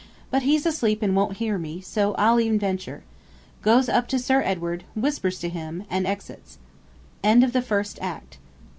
But he's asleep, and won't hear me; so I'll e'en venture. (Goes up to SIR EDWARD, whispers him, and exit.) END OF THE FIRST ACT.